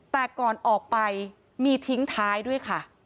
แต่ก่อนออกไปมีทิ้งท้ายด้วยค่ะ